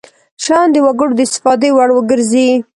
شیان د وګړو د استفادې وړ وګرځي.